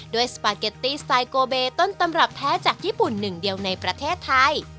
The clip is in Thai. สปาเกตตี้สไตล์โกเบต้นตำรับแท้จากญี่ปุ่นหนึ่งเดียวในประเทศไทย